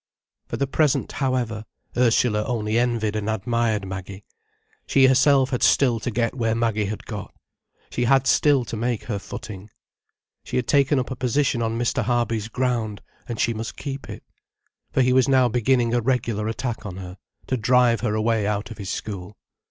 For the present, however, Ursula only envied and admired Maggie. She herself had still to get where Maggie had got. She had still to make her footing. She had taken up a position on Mr. Harby's ground, and she must keep it. For he was now beginning a regular attack on her, to drive her away out of his school.